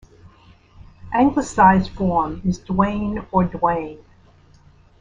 Anglicized form is Dwane or Duane.